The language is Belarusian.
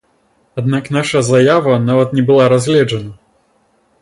Аднак наша заява нават не была разгледжана.